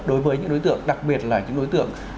đối với những đối tượng đặc biệt là những đối tượng